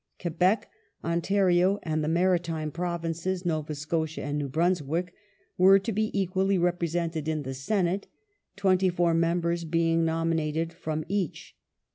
Quebec, Ontario, and the Mari time Provinces (Nova Scotia and New Brunswick) were to be equally represented in the Senate, twenty four members being nominated from each.